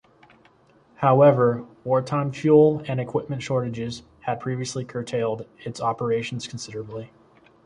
However, wartime fuel and equipment shortages had previously curtailed its operations considerably.